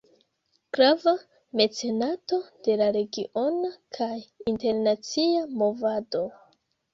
Grava mecenato de la regiona kaj internacia movado.